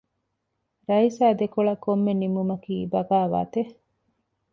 ރައީސާ ދެކޮޅު ކޮންމެ ނިންމުމަކީ ބަޣާވާތެއް؟